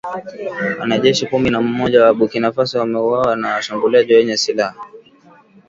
Wanajeshi kumi na mmoja wa Burkina Faso wameuawa na washambuliaji wenye silaha